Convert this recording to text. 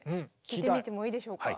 聴いてみてもいいでしょうか。